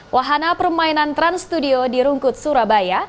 wahana permainan trans studio di rungkut surabaya